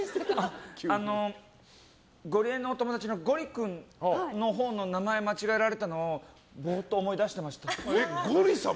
ゴリエのお友達のゴリ君のほうの名前を間違えられたのをぼーっと思い出してました。